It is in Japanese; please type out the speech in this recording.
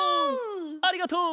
ありがとう！